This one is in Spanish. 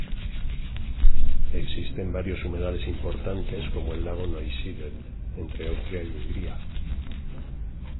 Existen varios humedales importantes, como el lago Neusiedl, entre Austria y Hungría.